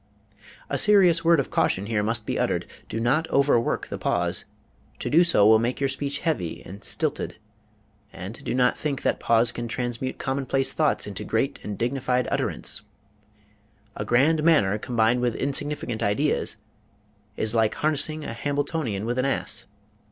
A serious word of caution must here be uttered: do not overwork the pause. To do so will make your speech heavy and stilted. And do not think that pause can transmute commonplace thoughts into great and dignified utterance. A grand manner combined with insignificant ideas is like harnessing a Hambletonian with an ass.